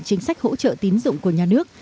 chính sách hỗ trợ tín dụng của nhà nước